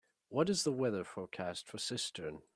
What is the weather forecast for Cistern